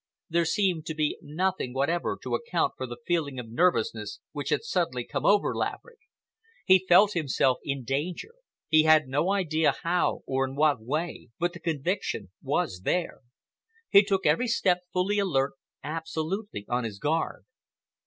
There seemed to be nothing whatever to account for the feeling of nervousness which had suddenly come over Laverick. He felt himself in danger—he had no idea how, or in what way—but the conviction was there. He took every step fully alert, absolutely on his guard.